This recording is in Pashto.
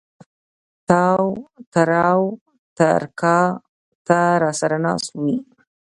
تااو تراو تر کا ته را سر ه ناست وې